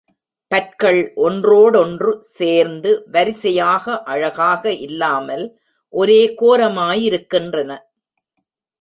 பற்கள் ஒன்றோடொன்று சேர்ந்து, வரிசையாக, அழகாக இல்லாமல் ஒரே கோரமாய் இருக்கின்றன.